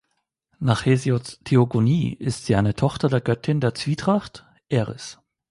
Nach Hesiods Theogonie ist sie eine Tochter der Göttin der Zwietracht Eris.